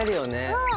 うん。